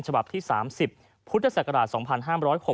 ฉบับที่๓๐พุทธศักราช๒๕๖๖